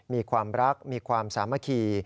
มีความรักมีความสามัคคี